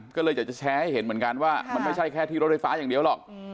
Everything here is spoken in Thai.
ก็เลยอยากจะแชร์ให้เห็นเหมือนกันว่ามันไม่ใช่แค่ที่รถไฟฟ้าอย่างเดียวหรอก